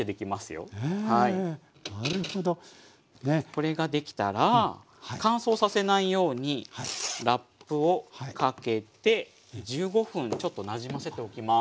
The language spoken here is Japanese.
これができたら乾燥させないようにラップをかけて１５分ちょっとなじませておきます。